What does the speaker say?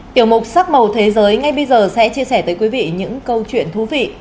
tiểu mục sắc màu thế giới ngay bây giờ sẽ chia sẻ tới quý vị những câu chuyện thú vị